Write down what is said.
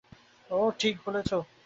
ওহ, ঠিক বলেছেন।